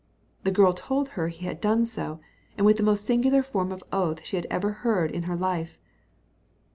The girl told her he had done so, and with the most singular form of oath she had ever heard in her life.